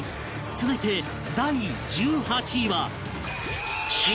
続いて第１８位は